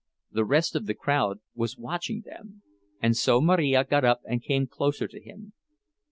The rest of the crowd was watching them, and so Marija got up and came closer to him.